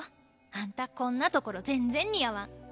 あんたこんな所全然似合わん。